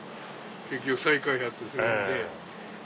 駅を再開発するんで。